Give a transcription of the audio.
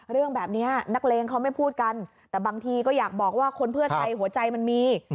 เรื่องแบบนี้นักเลงเขาไม่พูดกันแต่บางทีก็อยากบอกว่าคนเพื่อไทยหัวใจมันมี